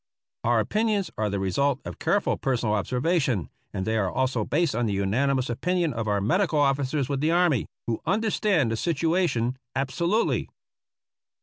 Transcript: Our opinions are the result of careful personal obser vation, and they are also based on the unanimous opinion of our medical officers with the army, who understand the situation absolutely.